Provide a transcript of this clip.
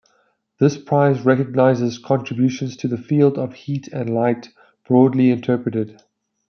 This prize recognizes contributions to the fields of heat and light, broadly interpreted.